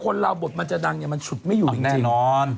คนเราบทมันจะดังมันฉุดไม่ยุ่งจริง